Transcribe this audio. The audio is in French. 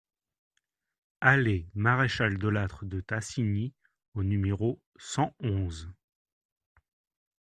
Allée Maréchal de Lattre de Tassigny au numéro cent onze